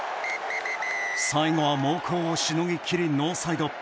最後は、猛攻をしのぎ切りノーサイド。